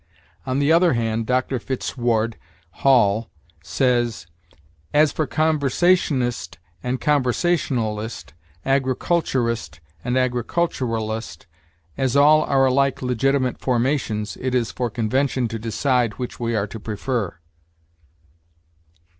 On the other hand, Dr. Fitzedward Hall says: "As for conversationist and conversationalist, agriculturist and agriculturalist, as all are alike legitimate formations, it is for convention to decide which we are to prefer."